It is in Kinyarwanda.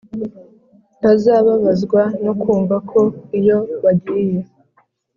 ntazababazwa no kumva ko iyo wagiye